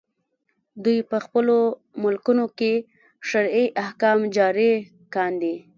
دوی په خپلو ملکونو کې شرعي احکام جاري کاندي.